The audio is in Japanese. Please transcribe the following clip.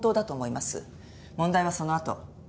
問題はそのあと。